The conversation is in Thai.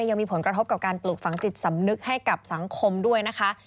ยังมีผลกระทบกับการปลูกฝังจิตสำนึกให้กับสังคมด้วยนะคะ